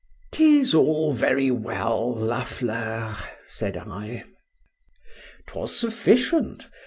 —'Tis all very well, La Fleur, said I.—'Twas sufficient.